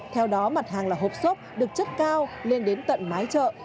theo đó mặt hàng là hộp xốp được chất cao lên đến tận mái chợ